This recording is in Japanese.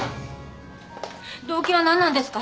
動機は何なんですか！？